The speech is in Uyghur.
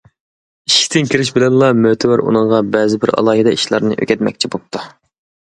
ئىشىكتىن كىرىشى بىلەنلا مۆتىۋەر ئۇنىڭغا بەزىبىر ئالاھىدە ئىشلارنى ئۆگەتمەكچى بوپتۇ.